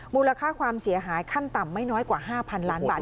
มูลค่าความเสียหายขั้นต่ำไม่น้อยกว่า๕๐๐๐ล้านบาท